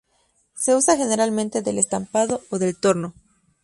Se usa generalmente del estampado o del torno.